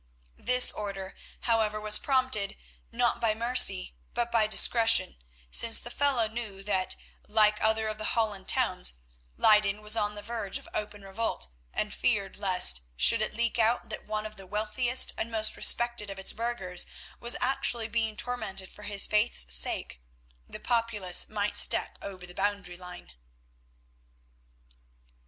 This order, however, was prompted, not by mercy, but by discretion, since the fellow knew that, like other of the Holland towns, Leyden was on the verge of open revolt, and feared lest, should it leak out that one of the wealthiest and most respected of its burghers was actually being tormented for his faith's sake, the populace might step over the boundary line.